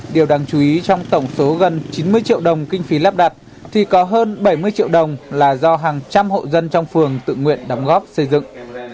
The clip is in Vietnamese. điều đáng chú ý trong tổng số gần chín mươi triệu đồng kinh phí lắp đặt thì có hơn bảy mươi triệu đồng là do hàng trăm hộ dân trong phường tự nguyện đóng góp xây dựng